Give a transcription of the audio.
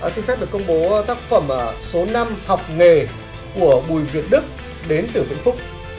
xin phép được công bố tác phẩm số năm học nghề của bùi viện đức đến từ vĩnh phúc